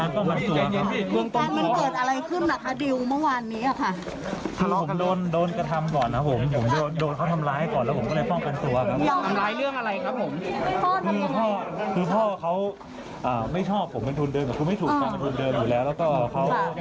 อันนี้ก็คือมีดพ่อใช่ไหมคะ